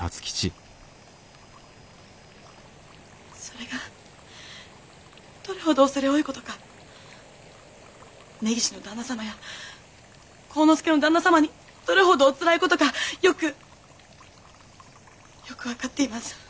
それがどれほどおそれおおい事か根岸の旦那様や晃之助の旦那様にどれほどおつらい事かよくよく分かっています。